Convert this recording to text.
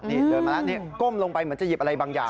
นี่เดินมาแล้วนี่ก้มลงไปเหมือนจะหยิบอะไรบางอย่าง